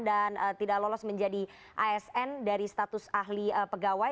dan tidak lolos menjadi asn dari status ahli pegawai